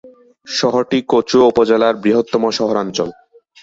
শহরটি কচুয়া উপজেলার বৃহত্তম শহরাঞ্চল।